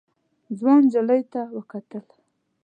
ځوان نجلۍ ته وکتل.